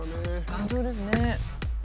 頑丈ですね。